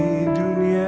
aku masih di dunia